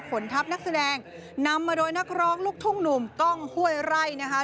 ผลทัพนักแสดงนำมาโดยนักร้องลูกทุ่งหนุ่มกล้องห้วยไร่นะคะ